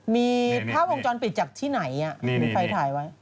มีภาพวงจรปิดจากที่ไหนมีไฟถ่ายไว้